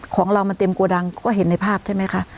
ของเรามันเต็มโกดังก็เห็นในภาพใช่ไหมคะ